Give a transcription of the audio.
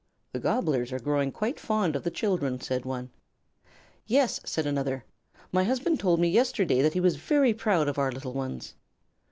"The Gobblers are growing quite fond of the children," said one. "Yes," said another; "my husband told me yesterday that he was very proud of our little ones."